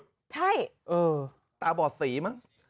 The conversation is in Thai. ใช่ตาบอดสีมั้ง